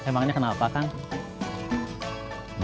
mahal bandung sekarang sampai jakarta sama apaannya